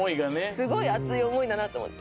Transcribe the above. すごい熱い思いだなって思って。